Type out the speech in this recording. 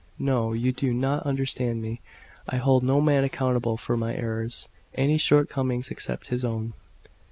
"No, you do NOT understand me. I hold no man accountable for any errors, any shortcomings, except his own."